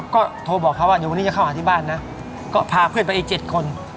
เยอะข้าวอาทิบาลนะก็พาเพื่อนไป๗คน